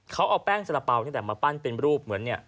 เขาเอาแป้งสาระเป๋านี่แหละมาปั้นเป็นรูปเหมือนเนี่ย